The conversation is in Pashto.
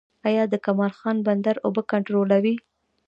آیا د کمال خان بند اوبه کنټرولوي؟